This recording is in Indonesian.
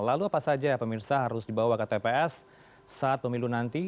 lalu apa saja pemirsa harus dibawa ke tps saat pemilu nanti